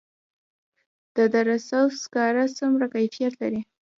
د دره صوف سکاره څومره کیفیت لري؟